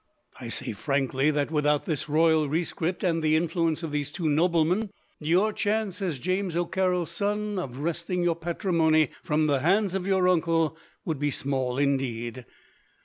I say frankly that, without this royal rescript, and the influence of these two noblemen, your chance, as James O'Carroll's son, of wresting your patrimony from the hands of your uncle would be small indeed.